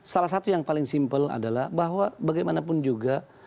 salah satu yang paling simpel adalah bahwa bagaimanapun juga